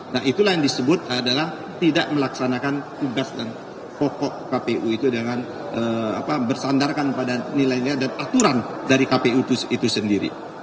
nah itulah yang disebut adalah tidak melaksanakan tugas dan pokok kpu itu dengan bersandarkan pada nilai nilai dan aturan dari kpu itu sendiri